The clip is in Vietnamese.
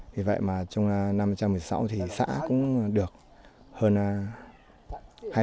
vì vậy mà trong năm hai nghìn một mươi sáu thì xã cũng được hơn hai mươi khoản